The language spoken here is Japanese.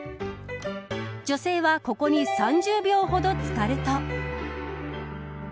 女性はここに３０秒ほどつかると。